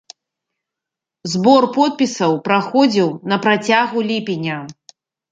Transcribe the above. Збор подпісаў праходзіў на працягу ліпеня.